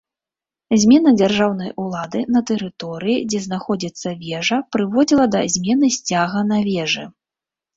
Змена дзяржаўнай улады на тэрыторыі, дзе знаходзіцца вежа, прыводзіла да змены сцяга на вежы.